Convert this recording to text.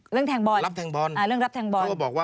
เรื่องรับแทรงบอล